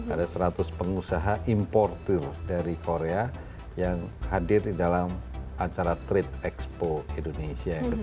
ada seratus pengusaha importer dari korea yang hadir di dalam acara trade expo indonesia yang ke tiga puluh tujuh